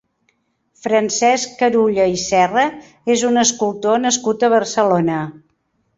Francesc Carulla i Serra és un escultor nascut a Barcelona.